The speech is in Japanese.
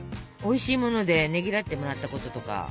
おいしいものでねぎらってもらったこととか。